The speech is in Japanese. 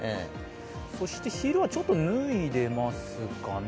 そして昼はちょっと脱いでますかね。